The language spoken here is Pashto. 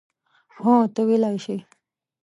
هو، ته ویلای شې.